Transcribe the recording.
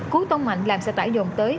cú tông mạnh làm xe tải dồn tới